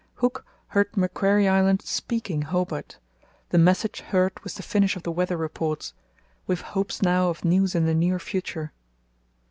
Hooke heard Macquarie Island 'speaking' Hobart. The message heard was the finish of the weather reports. We have hopes now of news in the near future.